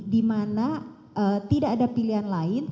di mana tidak ada pilihan lain